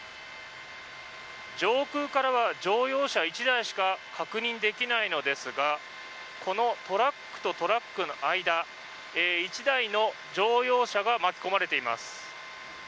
上空からは乗用車１台しか確認できないのですがこのトラックとトラックの間１台の乗用車が巻き込まれています。